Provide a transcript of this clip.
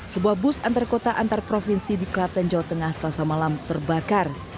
sebuah bus antar kota antar provinsi di kelaten jawa tengah selasa malam terbakar